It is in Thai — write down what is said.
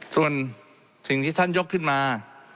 ส่วนสิ่งที่ท่านยกขึ้นมา